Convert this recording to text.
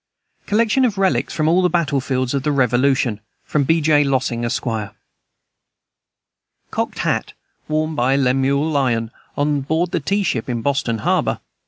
Collection of relics from all the battle fields of the Revolution. From B. J. Lossing, Esq. Cocked hat, worn by Lemuel Lyon on board the tea ship in Boston harbor.